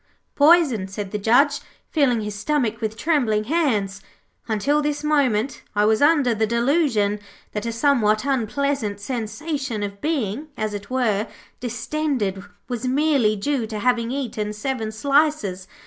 'Poisoned,' said the Judge, feeling his stomach with trembling hands. 'Until this moment I was under the delusion that a somewhat unpleasant sensation of being, as it were, distended, was merely due to having eaten seven slices.